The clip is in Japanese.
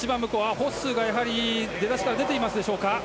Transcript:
ホッスーが出だしから出ているでしょうか。